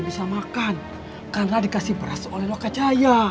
sedangkan kampung kita belum ada